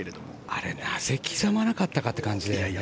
あれ、なぜ刻まなかったかっていう感じですよね。